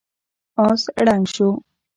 آس ړنګ شو.